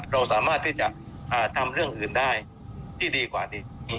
เราสามารถที่จะทำเรื่องอื่นได้ที่ดีกว่านี้